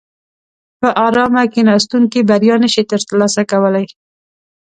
په ارامه کیناستونکي بریا نشي ترلاسه کولای.